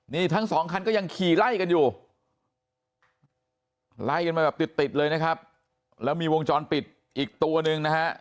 นี่ทั้งสองคันก็ยังขี่ไล่กันอยู่ไล่กันมาแบบติดติดเลยนะครับแล้วมีวงจรปิดอีกตัวหนึ่งนะฮะ